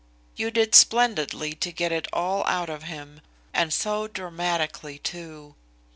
"You did splendidly to get it all out of him and so dramatically too."